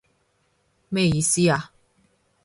咩意思啊？